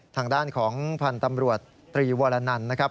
ทางด้านของพันธ์ตำรวจตรีวรนันนะครับ